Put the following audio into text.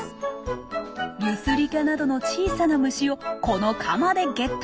ユスリカなどの小さな虫をこのカマでゲット！